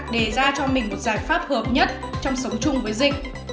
để ra cho mình một giải pháp hợp nhất trong sống chung với dịch